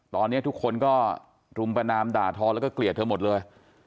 ตอนนี้ทุกคนก็รุมประนามด่าทอแล้วก็เกลียดเธอหมดเลย